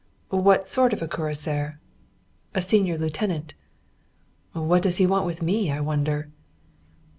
"What sort of a cuirassier?" "A senior lieutenant." "What does he want with me, I wonder?"